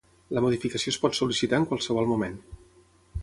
La modificació es pot sol·licitar en qualsevol moment.